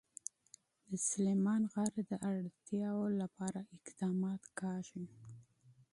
د سلیمان غر د اړتیاوو لپاره اقدامات کېږي.